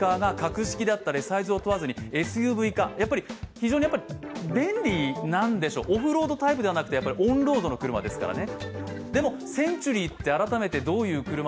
非常に便利なんでしょう、オフロードタイプではなくてオンロードの車ですからね。